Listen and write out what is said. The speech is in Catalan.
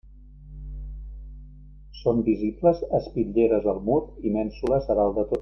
Són visibles espitlleres al mur i mènsules a dalt de tot.